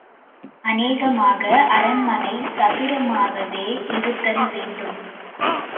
அநேகமாக அரண்மனை சதுரமாகவே இருத்தல் வேண்டும்.